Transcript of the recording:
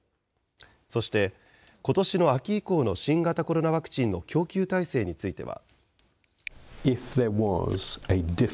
そしてことしの秋以降の新型コロナワクチンの供給体制については。